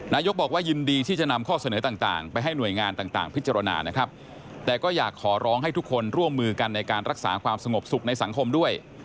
นายกบอกว่ายินดีที่จะนำข้อเสนอต่างไปให้หน่วยงานต่างพิจารณานะครับแต่ก็อยากขอร้องให้ทุกคนร่วมมือกันในการรักษาความสงบสุขในสังคมด้วย